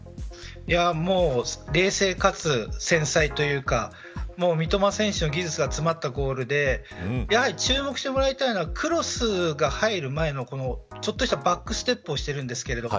冷静かつ、繊細というか三笘選手の技術が詰まったゴールでやはり注目してもらいたいのはクロスが入る前の、このバックステップをしてるんです。